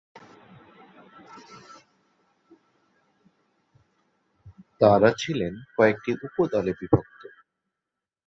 তারা ছিলেন কয়েকটি উপদলে বিভক্ত।